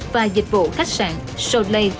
và dịch vụ khách sạn solay